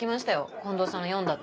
近藤さんの読んだって。